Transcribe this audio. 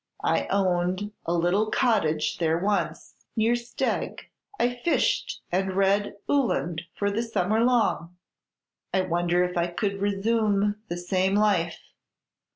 I owned a little cottage there once, near Steig. I fished and read Uhland for a summer long. I wonder if I could resume the same life.